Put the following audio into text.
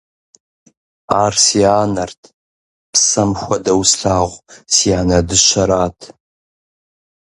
Ар си анэрт, псэм хуэдэу слъагъу си анэ дыщэрат.